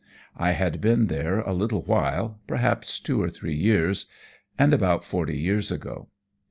I had been there a little while perhaps two or three years and about forty years ago.